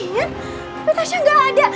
tapi tasya gak ada